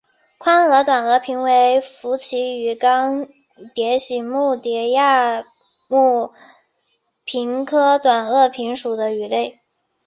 宽额短额鲆为辐鳍鱼纲鲽形目鲽亚目鲆科短额鲆属的鱼类。